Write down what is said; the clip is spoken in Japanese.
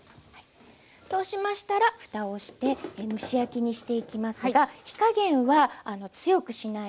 そうしましたらふたをして蒸し焼きにしていきますが火加減は強くしないで弱めでいって下さい。